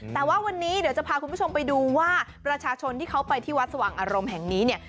แต่ว่าวันนี้เดี๋ยวจะพาคุณผู้ชมไปดูว่าประชาชนที่เขาไปที่วัดสว่างอารมณ์แห่งนี้เนี่ย